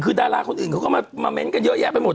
คือดาราคนอื่นเขาก็มาเม้นต์กันเยอะแยะไปหมด